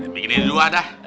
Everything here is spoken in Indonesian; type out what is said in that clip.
bikinin dua dah